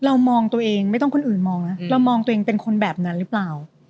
เรามองตัวเองไม่ต้องคนอื่นมองนะเรามองตัวเองเป็นคนแบบนั้นหรือเปล่า